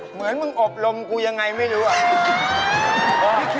เหมือนมึงอบรมกูยังไงไม่รู้อะ